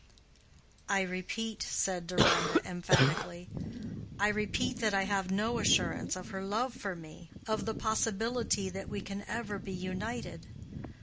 "I repeat," said Deronda, emphatically—"I repeat that I have no assurance of her love for me, of the possibility that we can ever be united.